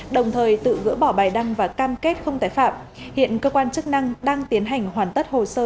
đồng thời tự gỡ bỏ bài đăng và cam kết không tái phạm hiện cơ quan chức năng đang tiến hành hoàn tất hồ sơ